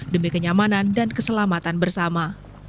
demi kenyamanan dan keselamatan bersama